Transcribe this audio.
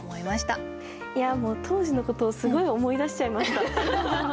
もう当時のことをすごい思い出しちゃいました。